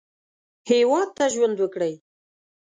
هېواد ته ژوند وکړئ